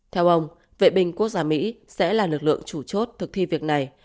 theo ông vệ binh quốc gia mỹ sẽ là lực lượng chủ chốt thực thi việc này